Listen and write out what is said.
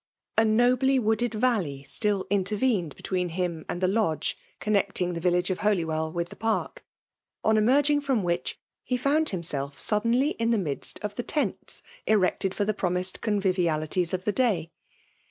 A nobly wooded valley still intervened be tween him and the lodge connecting the vil lage of Holywell with the park, on emerging from which, he found himself suddenly in the midst of the tents erected for the promised convivialities of the day.